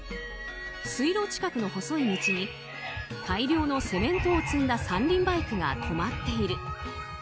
水路近くの細い道に大量のセメントを積んだ３輪バイクが止まっている。